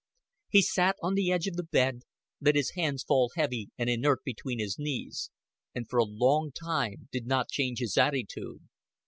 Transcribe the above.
He sat on the edge of the bed, let his hands fall heavy and inert between his knees, and for a long time did not change his attitude.